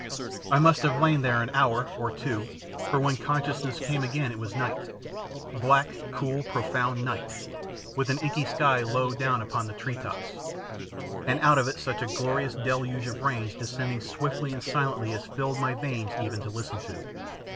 I must have lain there an hour or two, for when consciousness came again it was night black, cool, profound night, with an inky sky low down upon the tree tops, and out of it such a glorious deluge of rain descending swiftly and silently as filled my veins even to listen to.